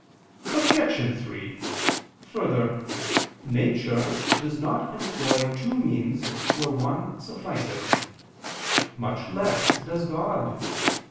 Obj. 3: Further, nature does not employ two means where one suffices: much less does God.